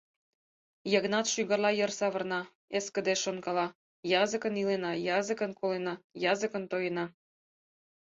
Йыгнат шӱгарла йыр савырна, эксыде шонкала: «Языкын илена, языкын колена, языкын тоена.